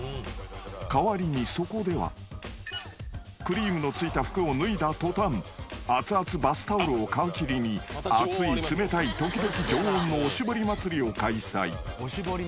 ［代わりにそこではクリームの付いた服を脱いだ途端熱々バスタオルを皮切りに熱い冷たい時々常温のおしぼり祭りを開催］